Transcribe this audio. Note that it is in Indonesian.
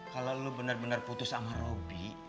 kalo lu bener bener putus sama robby